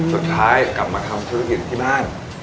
สุดท้ายกลับมาทำธุรกิจที่บ้าน